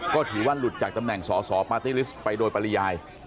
ก็ถือว่าหลุดจากตำแหน่งสอสอปาร์ตี้ลิสต์ไปโดยปริยาย